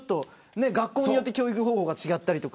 学校によって教育方法が違ったりとか。